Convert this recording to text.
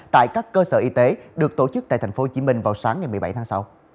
tại các cơ sở y tế được tổ chức tại tp hcm vào sáng ngày một mươi bảy tháng sáu